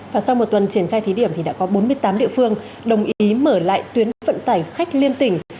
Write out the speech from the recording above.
và sau một tuần triển khai thí điểm thì đã có bốn mươi tám địa phương đồng ý mở lại tuyến vận tải khách liên tỉnh